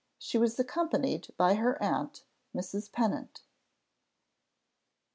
She was accompanied by her aunt, Mrs. Pennant.